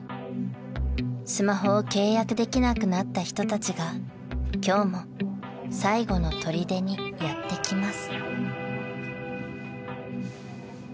［スマホを契約できなくなった人たちが今日も最後のとりでにやって来ます］